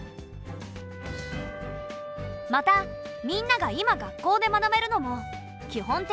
またみんなが今学校で学べるのも基本的人権の一つ。